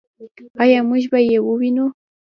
آیا موږ به یې ووینو؟